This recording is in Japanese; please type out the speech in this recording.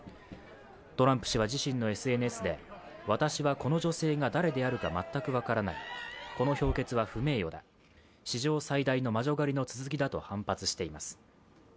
トランプ氏は自身のＳＮＳで私はこの女性が誰であるか全く分からない、この評決は不史上最大の魔女狩りの続きだと反発しています。